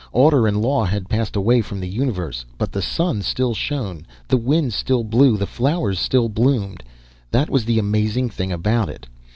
Order and law had passed away from the universe; but the sun still shone, the wind still blew, the flowers still bloomed that was the amazing thing about it.